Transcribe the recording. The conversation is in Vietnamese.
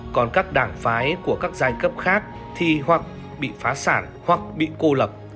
còn các đảng phái của các giai cấp khác thì hoặc bị phá sản hoặc bị cô lập